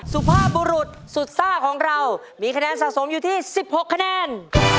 สุภาพบุรุษสุดซ่าของเรามีคะแนนสะสมอยู่ที่๑๖คะแนน